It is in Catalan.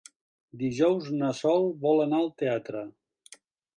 Dijous na Sol vol anar al teatre.